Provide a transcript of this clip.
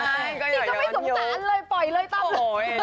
ไม่ก็อย่าย้อนยุคโอ้โฮนี่ก็ไม่สงสารเลยปล่อยเลยต้อง